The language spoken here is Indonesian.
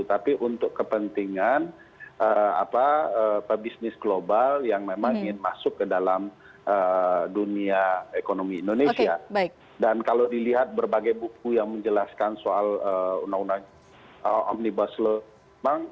dan kalau dilihat berbagai buku yang menjelaskan soal undang undang omnibus law bank